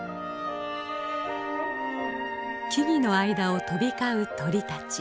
木々の間を飛び交う鳥たち。